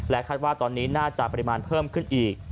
คาดว่าตอนนี้น่าจะปริมาณเพิ่มขึ้นอีก